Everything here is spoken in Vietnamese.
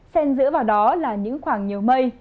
xen giữa vào đó là những khoảng nhiều mây